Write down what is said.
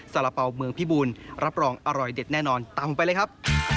สาระเป๋าเมืองพิบูลรับรองอร่อยเด็ดแน่นอนตำไปเลยครับ